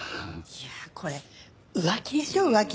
いやあこれ浮気でしょ浮気。